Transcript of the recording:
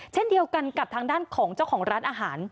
เช่นเดียวกันกับทางด้านของเจ้าของร้านอาหาร